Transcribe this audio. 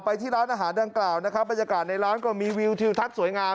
ที่ร้านอาหารดังกล่าวนะครับบรรยากาศในร้านก็มีวิวทิวทัศน์สวยงาม